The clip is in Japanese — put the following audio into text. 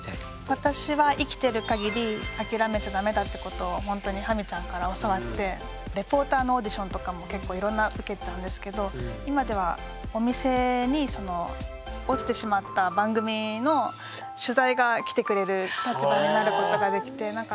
私は生きてるかぎり諦めちゃダメだってことをほんとにハミちゃんから教わってレポーターのオーディションとかも結構いろんな受けてたんですけど今ではお店にその落ちてしまった番組の取材が来てくれる立場になることができて。